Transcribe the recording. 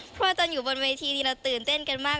เพราะว่าตอนอยู่บนเวทีนี้เราตื่นเต้นกันมาก